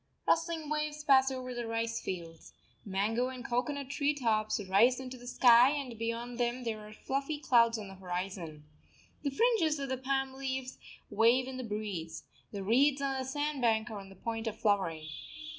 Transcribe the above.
Rustling waves pass over the rice fields. Mango and cocoanut tree tops rise into the sky, and beyond them there are fluffy clouds on the horizon. The fringes of the palm leaves wave in the breeze. The reeds on the sand bank are on the point of flowering.